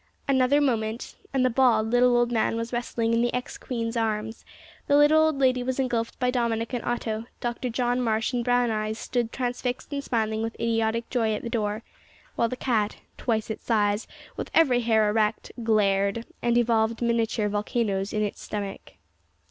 Another moment, and the bald, little old man was wrestling in the ex queen's arms; the little old lady was engulfed by Dominick and Otto; Dr John Marsh and Brown eyes stood transfixed and smiling with idiotic joy at the door; while the cat twice its size, with every hair erect glared, and evolved miniature volcanoes in its stomach.